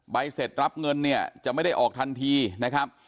เสร็จรับเงินเนี่ยจะไม่ได้ออกทันทีนะครับ